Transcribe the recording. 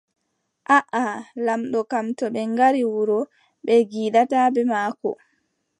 Aaʼa., Lamɗo kam, too ɓe nyari wuro, ɓe ngiidaata bee maako.